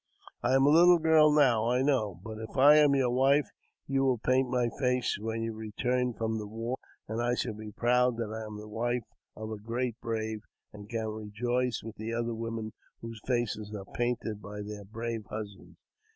I am a little girl now, I know ; but if I am your wife, you will paint my face when you return from the war, and I shall be proud that I am the wife of a great brave, and can rejoice with the other women whose faces are painted by their brave husbands.